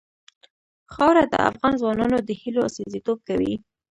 خاوره د افغان ځوانانو د هیلو استازیتوب کوي.